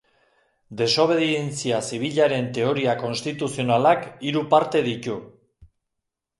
Desobedientzia zibilaren teoria konstituzionalak hiru parte ditu.